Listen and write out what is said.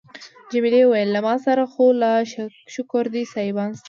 جميلې وويل: له ما سره خو لا شکر دی سایبان شته.